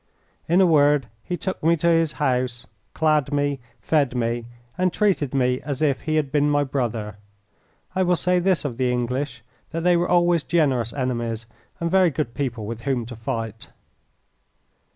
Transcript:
In a word, he took me to his house, clad me, fed me, and treated me as if he had been my brother. I will say this of the English, that they were always generous enemies, and very good people with whom to fight.